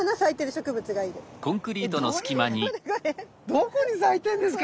どこに咲いてんですか？